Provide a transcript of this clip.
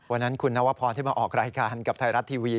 วันนั้นคุณนวพรที่มาออกรายการกับไทยรัฐทีวี